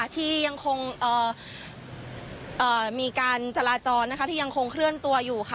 ที่ยังคงมีการจราจรที่ยังคงเคลื่อนตัวอยู่ค่ะ